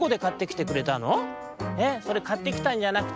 「えっそれかってきたんじゃなくてね